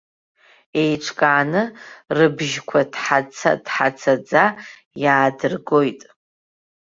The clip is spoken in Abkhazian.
Еицҿакны, рыбжьқәа ҭҳаца-ҭҳацаӡа иаадыргоит.